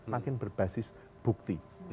makin berbasis bukti